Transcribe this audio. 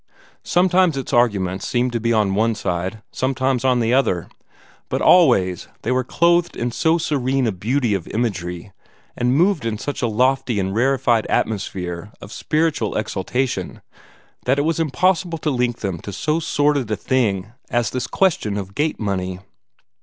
Sometimes its arguments seemed to be on one side, sometimes on the other, but always they were clothed with so serene a beauty of imagery, and moved in such a lofty and rarefied atmosphere of spiritual exaltation, that it was impossible to link them to so sordid a thing as this question of gate money.